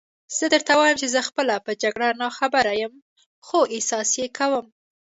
زه درته وایم چې زه خپله په جګړه ناخبره یم، خو احساس یې کوم.